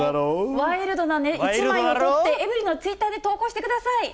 ワイルドな一枚を撮って、エブリィのツイッターに投稿してください。